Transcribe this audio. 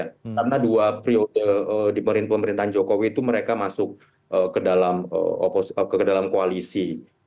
karena dua pria di pemerintahan jokowi itu mereka masuk ke dalam koalisi